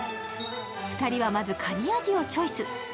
２人はまずかに味をチョイス。